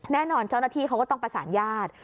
เจ้าหน้าที่เขาก็ต้องประสานญาติ